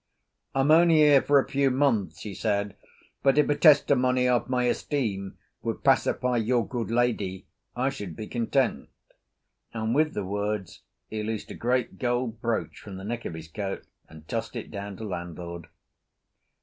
"I'm only here for a few months," he said; "but if a testimony of my esteem would pacify your good lady I should be content," and with the words he loosed a great gold brooch from the neck of his coat and tossed it down to landlord.